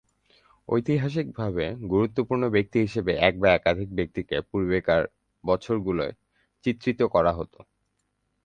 ঐতিহাসিকভাবে গুরুত্বপূর্ণ ব্যক্তি হিসেবে এক বা একাধিক ব্যক্তিকে পূর্বেকার বছরগুলোয় চিত্রিত করা হতো।